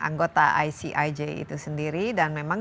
anggota icij itu sendiri dan memang